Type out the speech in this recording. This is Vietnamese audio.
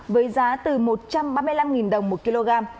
với giá từ một trăm ba mươi năm đồng một kg